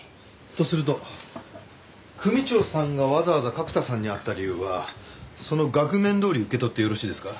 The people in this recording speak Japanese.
とすると組長さんがわざわざ角田さんに会った理由はその額面どおり受け取ってよろしいですか？